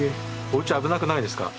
おうち危なくないですか？